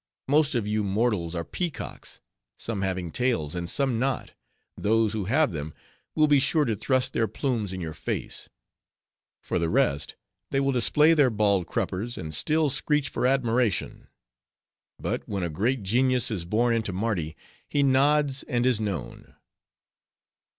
Most of you mortals are peacocks; some having tails, and some not; those who have them will be sure to thrust their plumes in your face; for the rest, they will display their bald cruppers, and still screech for admiration. But when a great genius is born into Mardi, he nods, and is known."